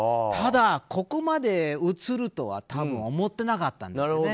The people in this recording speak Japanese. ただ、ここまで映るとは多分、思ってなかったんですよね。